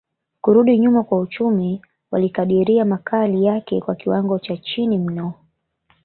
kurudi nyuma kwa uchumi walikadiria makali yake kwa kiwango cha chini mno